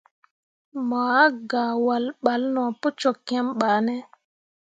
Mo ah gah wahl balle no pu cok kiem bah ne.